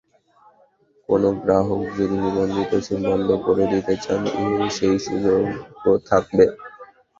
কোনো গ্রাহক যদি নিবন্ধিত সিম বন্ধ করে দিতে চান, সেই সুযোগও থাকবে।